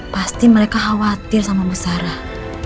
pasti mereka khawatir sama bu sarah